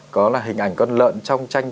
có là hình ảnh con lợn trong tranh